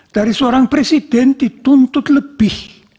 dari seorang presiden dituntut lebih